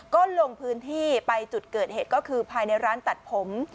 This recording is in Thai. ก็ลงพื้นที่ไปจุดเกิดเหตุก็คือภายในร้านตัดผม